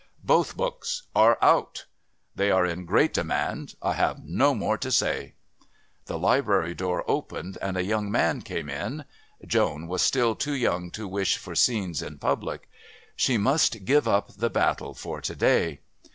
"Both books are out. They are in great demand. I have no more to say." The Library door opened, and a young man came in. Joan was still too young to wish for scenes in public. She must give up the battle for to day.